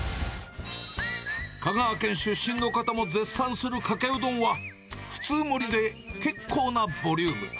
香川県出身の方も絶賛するかけうどんは、普通盛りで結構なボリューム。